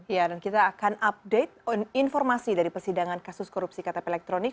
ya dan kita akan update informasi dari persidangan kasus korupsi ktp elektronik